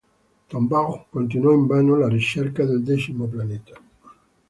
Tombaugh continuò invano la ricerca del decimo pianeta.